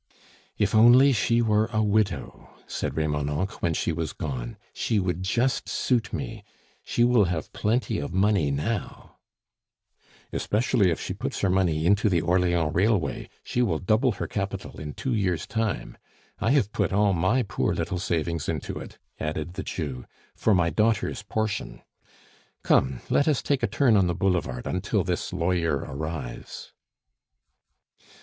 "If only she were a widow!" said Remonencq when she was gone. "She would just suit me; she will have plenty of money now " "Especially if she puts her money into the Orleans Railway; she will double her capital in two years' time. I have put all my poor little savings into it," added the Jew, "for my daughter's portion. Come, let us take a turn on the boulevard until this lawyer arrives."